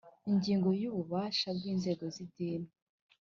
Ingingo ya ububasha bw inzego z idini